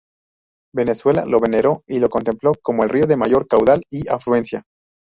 Venezuela lo veneró y lo contempló como el río de mayor caudal y afluencia.